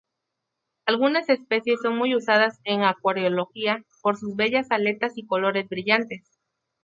Algunas especies son muy usadas en acuariología, por sus bellas aletas y colores brillantes.